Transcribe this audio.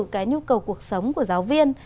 cái nhu cầu cuộc sống của giáo viên